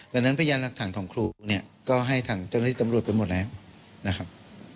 ดังนั้นพยานหลักฐานของครูเนี่ยก็ให้ทางเจ้าหน้าที่ตำรวจไปหมดแล้วนะครับ